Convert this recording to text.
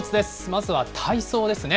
まずは体操ですね。